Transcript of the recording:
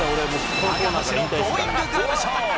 赤星のゴーインググラブ賞。